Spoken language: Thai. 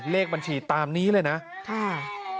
เลขบัญชีตามนี้เลยนะค่ะ